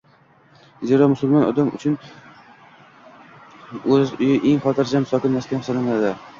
Zero, musulmon odam uchun o‘z uyi eng xotirjam, sokin maskan sanaladi.